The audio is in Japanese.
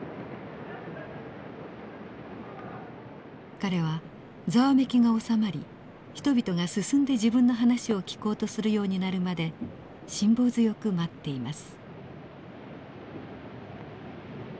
彼はざわめきが収まり人々が進んで自分の話を聞こうとするようになるまで辛抱強く待っています。